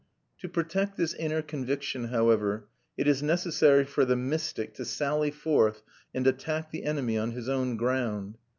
To protect this inner conviction, however, it is necessary for the mystic to sally forth and attack the enemy on his own ground.